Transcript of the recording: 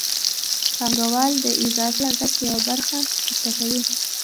پانګوال د اضافي ارزښت یوه برخه مصرفوي